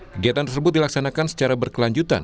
kegiatan tersebut dilaksanakan secara berkelanjutan